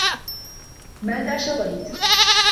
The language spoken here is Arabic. ماذا شويت؟